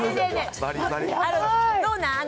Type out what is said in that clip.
どうなん？